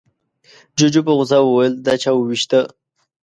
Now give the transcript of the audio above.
جوجو په غوسه وويل، دا چا ووېشته؟